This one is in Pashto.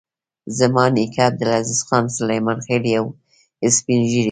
زما نیکه عبدالعزیز خان سلیمان خېل یو سپین ږیری و.